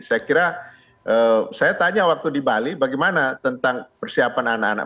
saya kira saya tanya waktu di bali bagaimana tentang persiapan anak anak